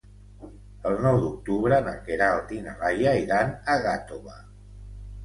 El nou d'octubre na Queralt i na Laia iran a Gàtova.